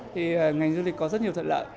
thì ngành du lịch có rất nhiều thận lợi